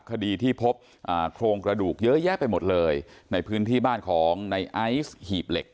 คดีที่พบโครงกระดูกเยอะแยะไปหมดเลยในพื้นที่บ้านของในไอซ์หีบเหล็ก